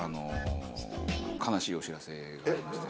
悲しいお知らせがありまして。